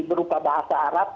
berupa bahasa arab